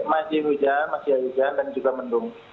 masih hujan masih ada hujan dan juga mendung